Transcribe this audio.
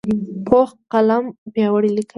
پوخ قلم پیاوړی لیکي